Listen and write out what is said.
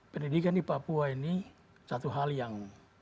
pendidikan di papua ini satu hal yang